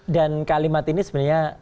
dan kalimat ini sebenarnya saya kurang pas ya